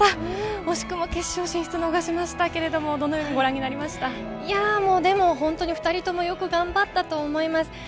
惜しくも決勝進出逃しましたけれど、どのようにご覧２人ともよく頑張ったと思います。